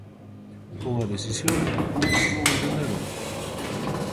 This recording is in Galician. Unha decisión que moitos non entenderon.